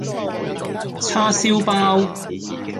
叉燒包